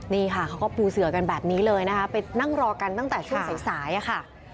นี่ค่ะเขาก็ปูเสือกันแบบนี้เลยนะคะไปนั่งรอกันตั้งแต่ช่วงสายสายอะค่ะ